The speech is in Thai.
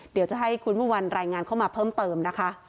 เดี๋ยวจะให้คุณเมื่อวันรายงานเข้ามาเพิ่มเติมนะคะ